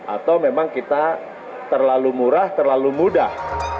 atau memang kita terlalu murah terlalu mudah